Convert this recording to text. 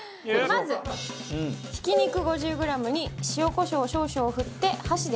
まずひき肉５０グラムに塩コショウ少々を振って箸で軽く混ぜます。